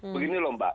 begini lho mbak